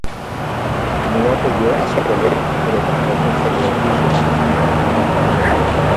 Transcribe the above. No apoyó a su colega pero tampoco se le opuso activamente.